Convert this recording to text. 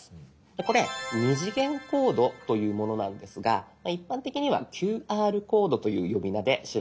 これ「２次元コード」というものなんですが一般的には「ＱＲコード」という呼び名で知られていると思います。